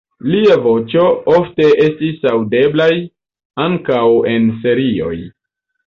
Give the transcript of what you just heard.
Lia voĉo ofte estis aŭdeblaj ankaŭ en serioj.